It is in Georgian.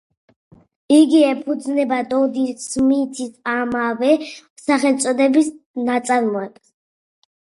იგი ეფუძნება დოდი სმითის ამავე სახელწოდების ნაწარმოებს.